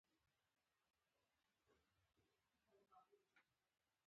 یو څه وخت یې پر ما سبق هم ویلی و.